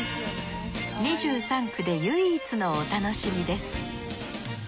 ２３区で唯一のお楽しみです。